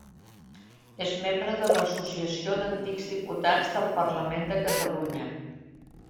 És membre de l'Associació d'Antics Diputats del Parlament de Catalunya.